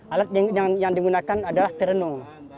alat yang digunakan adalah terenung